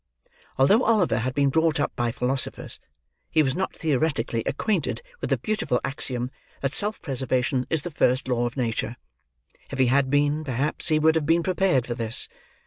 Although Oliver had been brought up by philosophers, he was not theoretically acquainted with the beautiful axiom that self preservation is the first law of nature. If he had been, perhaps he would have been prepared for this.